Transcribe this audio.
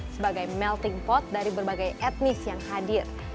sebagai melting pot dari berbagai etnis yang hadir